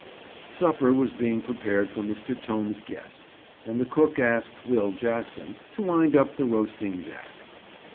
Supper was being prepared for Mr. Tomes' guests, and the cook asked "Will Jackson" to wind up the roasting jack.